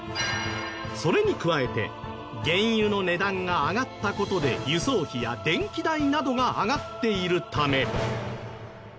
それに加えて原油の値段が上がった事で輸送費や電気代などが上がっているため。